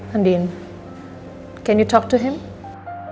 andin bisa kau berbicara sama dia